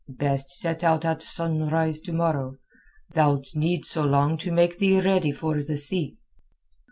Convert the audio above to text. "Best set out at sunrise to morrow. Thou'lt need so long to make thee ready for the sea."